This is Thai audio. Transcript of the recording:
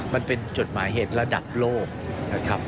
มันเป็นจดหมายเหตุระดับโลก